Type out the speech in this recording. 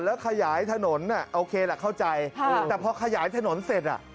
แล้วขยายถนนโอเคแหละเข้าใจแต่พอขยายถนนเสร็จอ่ะ